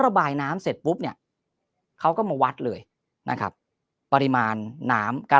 ระบายน้ำเสร็จปุ๊บเนี่ยเขาก็มาวัดเลยนะครับปริมาณน้ำการ